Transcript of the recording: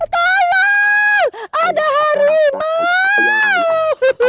tolong ada harimau